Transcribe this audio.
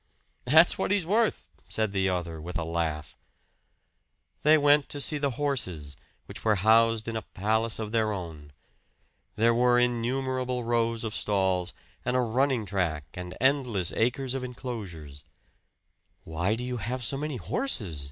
"That's what he's worth," said the other with a laugh. They went to see the horses, which were housed in a palace of their own. There were innumerable rows of stalls, and a running track and endless acres of inclosures. "Why do you have so many horses?"